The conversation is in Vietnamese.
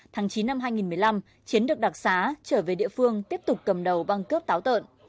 tháng chín năm hai nghìn một mươi năm chiến được đặc xá trở về địa phương tiếp tục cầm đầu băng cướp táo tợn